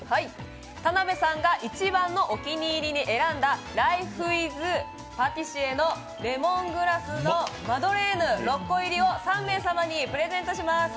田辺さんが一番のお気に入りに選んだライフ・イズ・パティシエのレモングラスのマドレーヌ６個入りを６個入りを３名様にプレゼントします。